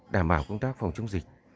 đảm bảo công tác phòng chống dịch